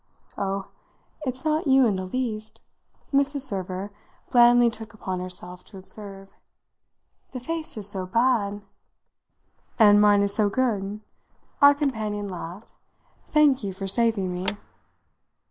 "Oh, it's not you in the least," Mrs. Server blandly took upon herself to observe. "This face is so bad " "And mine is so good?" our companion laughed. "Thank you for saving me!"